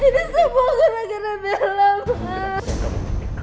ini semua gara gara bel mak